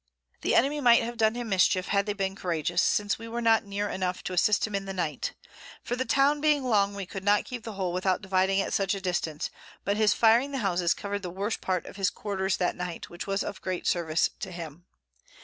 The Enemy might have done him Mischief, had they been couragious, since we were not near enough to assist him in the Night. For the Town being long, we could not keep the whole without dividing at such a distance; but his firing the Houses cover'd the worst part of his Quarters that Night, which was of great service to him.